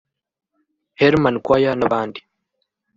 Herman Choir n’abandi